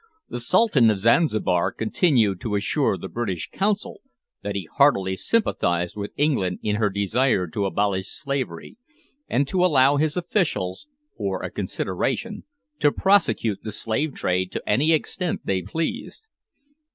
The Sultan of Zanzibar continued to assure the British Consul that he heartily sympathised with England in her desire to abolish slavery, and to allow his officials, for a "consideration," to prosecute the slave trade to any extent they pleased!